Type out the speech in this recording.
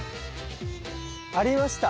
ありました